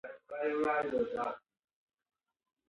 بدنام سوداگر پېژندل شوی.